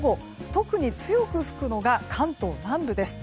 特に強く吹くのが関東南部です。